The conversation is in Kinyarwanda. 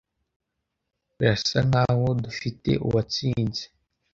Birasa nkaho dufite uwatsinze.